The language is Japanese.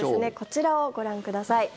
こちらをご覧ください。